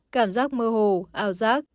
cảm giác mơ hồ ảo giác